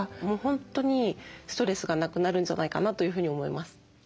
もう本当にストレスがなくなるんじゃないかなというふうに思います。